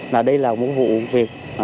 là đây là một vụ việc